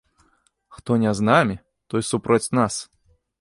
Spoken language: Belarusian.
Хто не з намі, той супроць нас!